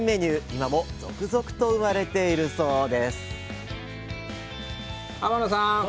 今も続々と生まれているそうです天野さん！